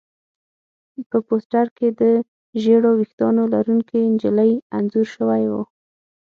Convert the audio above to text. په پوسټر کې د ژېړو ویښتانو لرونکې نجلۍ انځور شوی و